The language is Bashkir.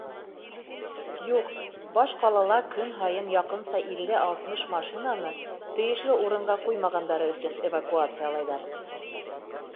Юҡ, баш ҡалала көн һайын яҡынса илле-алтмыш машинаны тейешле урынға ҡуймағандары өсөн эвакуациялайҙар.